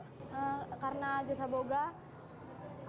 karena jasa buga